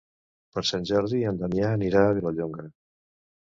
Per Sant Jordi en Damià anirà a Vilallonga.